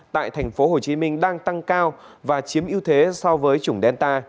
tại tp hcm đang tăng cao và chiếm ưu thế so với chủng delta